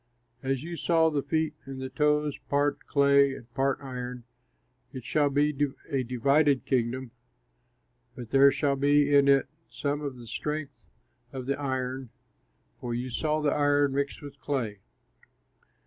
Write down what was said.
As you saw the feet and toes, part clay and part iron, it shall be a divided kingdom; but there shall be in it some of the strength of the iron, for you saw the iron mixed with clay.